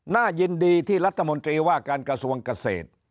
น่ายินดีที่รัฐมนตรีว่าการกระทรวงเกษตร